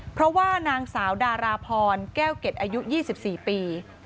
เพราะว่านางสาวดาราพรแก้วเก็ตอายุ๒๔ปี